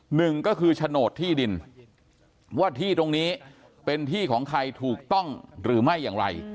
หนึ่งก็คือโฉนดที่ดินว่าที่ตรงนี้เป็นที่ของใครถูกต้องหรือไม่อย่างไร